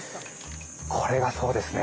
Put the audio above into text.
これがそうですね。